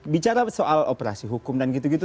bicara soal operasi hukum dan gitu gitu